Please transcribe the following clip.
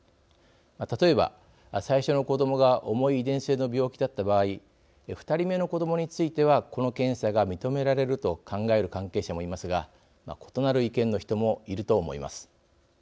例えば最初の子どもが重い遺伝性の病気だった場合２人目の子どもについてはこの検査が認められると考える関係者もいますが異なる意見の人もいると思います。